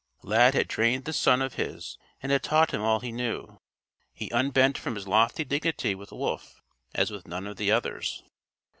Lad had trained this son of his and had taught him all he knew. He unbent from his lofty dignity, with Wolf, as with none of the others.